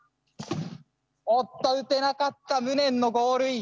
おっと撃てなかった無念のゴールイン。